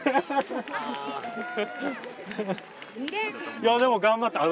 いやでも頑張った。